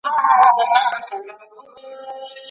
چي په زړه کي څه در تېر نه سي آسمانه